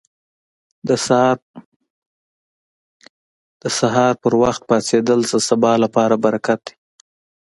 • د سهار پر وخت پاڅېدل د سبا لپاره برکت دی.